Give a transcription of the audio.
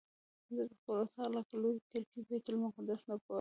زه د خپل اطاق له لویې کړکۍ بیت المقدس ته ګورم.